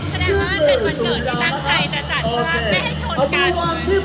แสดงว่าเป็นวันเกิดที่ตั้งใจแต่จัด